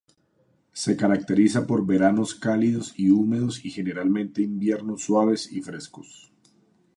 Se caracteriza por veranos cálidos y húmedos, y generalmente inviernos suaves y frescos.